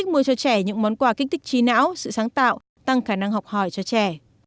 để những món quà kích thích trí não sự sáng tạo tăng khả năng học hỏi cho trẻ